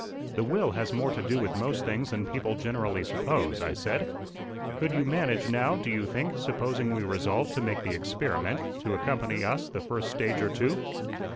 "The will has more to do with most things than people generally suppose," I said. "Could you manage, now, do you think, supposing we resolve to make the experiment, to accompany us the first stage or two?"